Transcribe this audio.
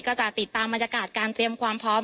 ก็จะติดตามบรรยากาศการเตรียมความพร้อม